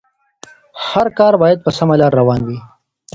هر کار بايد په سمه لاره روان وي.